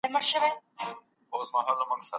امتحان هر سړي پر ملا مات کړي